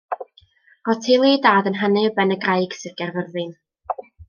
Roedd teulu ei dad yn hanu o Benygraig, Sir Gaerfyrddin.